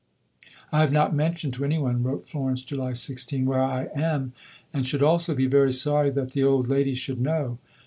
"I have not mentioned to any one," wrote Florence (July 16), "where I am, and should also be very sorry that the old ladies should know.